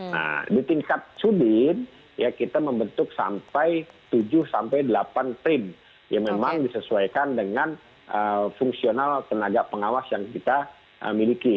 nah di tingkat sudin ya kita membentuk sampai tujuh sampai delapan print yang memang disesuaikan dengan fungsional tenaga pengawas yang kita miliki